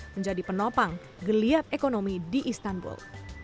menjadi penopang geliat ekonomi di istanbul